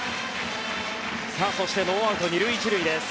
そしてノーアウト２塁１塁です。